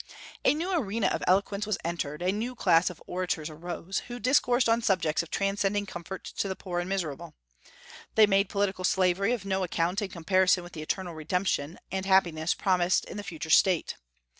A new arena of eloquence was entered; a new class of orators arose, who discoursed on subjects of transcending comfort to the poor and miserable. They made political slavery of no account in comparison with the eternal redemption and happiness promised in the future state.